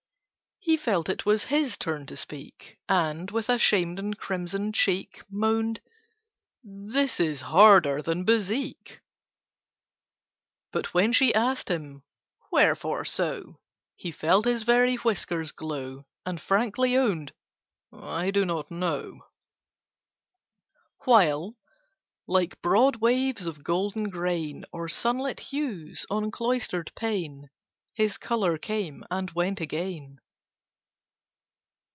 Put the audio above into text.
He felt it was his turn to speak, And, with a shamed and crimson cheek, Moaned "This is harder than Bezique!" But when she asked him "Wherefore so?" He felt his very whiskers glow, And frankly owned "I do not know." [Picture: This is harder than Bezique!] While, like broad waves of golden grain, Or sunlit hues on cloistered pane, His colour came and went again.